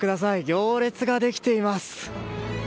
行列ができています。